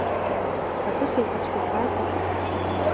Абы сегупсысатэкъым.